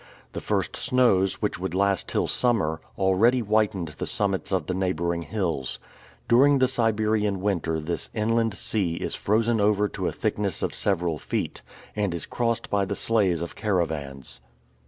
The first snows, which would last till summer, already whitened the summits of the neighboring hills. During the Siberian winter this inland sea is frozen over to a thickness of several feet, and is crossed by the sleighs of caravans.